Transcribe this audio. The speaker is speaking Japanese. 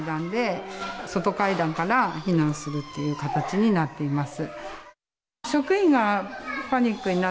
外階段から避難する形になっています。